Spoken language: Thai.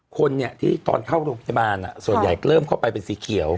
คนที่ตอนเข้าโรงพยาบาลส่วนใหญ่เริ่มเข้าไปเป็นสีเขียว